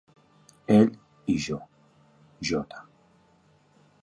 Ell i jo. J.